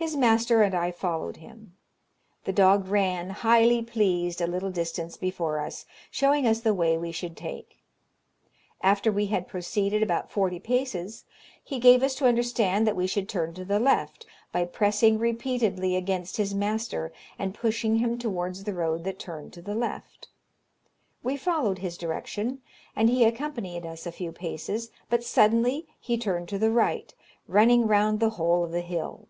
"His master and I followed him. The dog ran, highly pleased, a little distance before us, showing us the way we should take. After we had proceeded about forty paces, he gave us to understand that we should turn to the left, by pressing repeatedly against his master, and pushing him towards the road that turned to the left. We followed his direction, and he accompanied us a few paces, but suddenly he turned to the right, running round the whole of the hill.